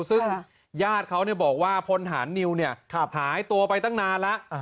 ซึ่งญาติเขาบอกว่าพลฐานนิวหายตัวไปตั้งนานแล้ว